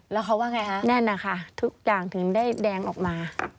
แล้วเขาว่าไงคะแน่นนะคะทุกอย่างถึงได้แดงออกมา